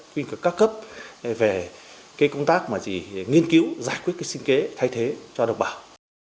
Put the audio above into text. quýnh các cấp về cái công tác mà chỉ nghiên cứu giải quyết cái sinh kế thay thế cho độc bảo